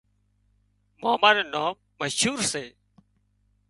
ماما نُون نام مشهور سي